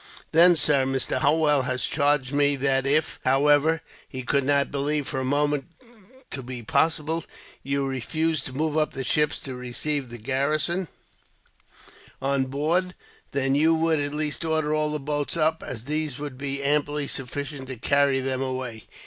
"Then, sir, Mr. Holwell has charged me that if which, however, he could not believe for a moment to be possible you refuse to move up the ships to receive the garrison on board, that you would at least order all the boats up, as these would be amply sufficient to carry them away.